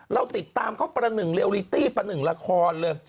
เราติดตามเขาประหนึ่งเรียลิตี้ประหนึ่งละครเลย